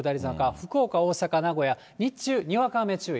福岡、大阪、名古屋、日中にわか雨注意。